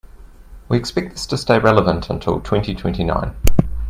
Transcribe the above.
We expect this stay relevant until twenty-twenty-nine.